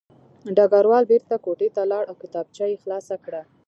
ډګروال بېرته کوټې ته لاړ او کتابچه یې خلاصه کړه